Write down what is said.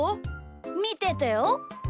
みててよ。